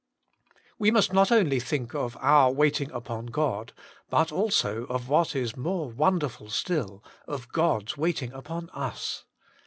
WE must not only think of our waiting upon God, but also of what is more wonderful still, of God's waiting upon us.